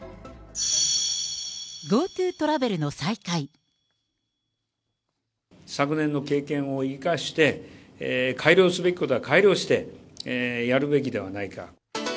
Ｇｏ昨年の経験を生かして、改良すべきことは改良して、やるべきではないか。